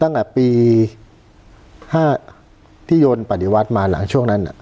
ตั้งแต่ปี๕ที่โยนปฏิวัติมาหลังช่วงนั้น